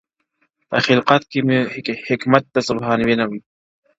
په خِلقت کي مي حکمت د سبحان وینم,